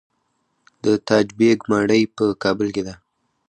د تاج بیګ ماڼۍ په کابل کې ده